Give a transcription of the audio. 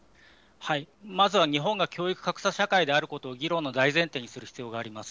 まずは日本が教育格差社会であることを議論の大前提にすることがあります。